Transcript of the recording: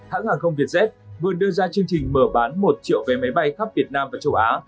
hãng hàng không vietjet vừa đưa ra chương trình mở bán một triệu vé máy bay khắp việt nam và châu á